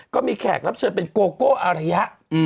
แขกรับเชิญเป็นโกโก้อารยะ